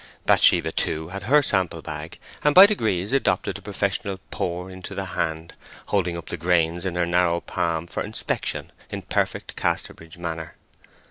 Bathsheba too had her sample bags, and by degrees adopted the professional pour into the hand—holding up the grains in her narrow palm for inspection, in perfect Casterbridge manner.